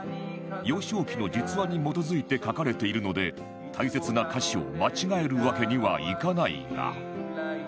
幼少期の実話に基づいて書かれているので大切な歌詞を間違えるわけにはいかないが